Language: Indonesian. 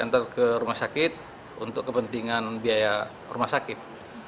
diantar ke rumah sakit untuk kepentingan biaya rumah sakit